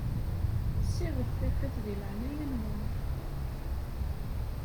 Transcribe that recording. Ssiɣt tafat di laɛnaya-nwen.